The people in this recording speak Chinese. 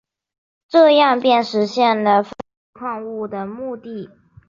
这样便实现了分离矿物的目的。